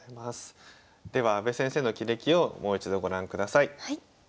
では阿部先生の棋歴をもう一度ご覧ください。